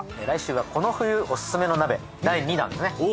来週はこの冬おすすめの鍋第２弾ですね。